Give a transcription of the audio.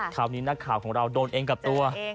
คราวนี้นักข่าวของเราโดนเองกับตัว